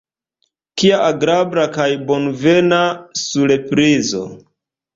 Kia agrabla kaj bonvena surprizo!